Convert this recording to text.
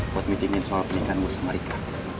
buat meeting in soal pernikahan gue sama rika